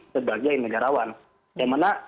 sebagai negarawan yang mana